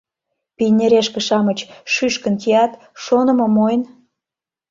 Пийнерешке-шамыч шӱшкын кият, шонымо мойн...